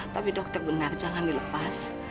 tapi dokter benar jangan dilepas